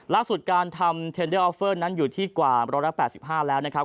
ล่าสุดการทำเทนเดอร์ออฟเฟอร์นั้นอยู่ที่กว่า๑๘๕แล้วนะครับ